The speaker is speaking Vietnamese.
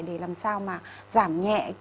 để làm sao mà giảm nhẹ cái lượng